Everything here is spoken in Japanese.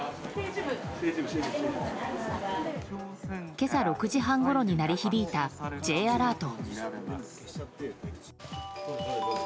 今朝６時半ごろに鳴り響いたＪアラート。